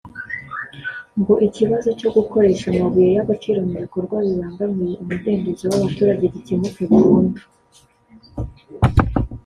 ngo ikibazo cyo gukoresha amabuye y’agaciro mu bikorwa bibangamiye umudendezo w’abaturage gikemuke burundu